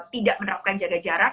tidak menerapkan jaga jarak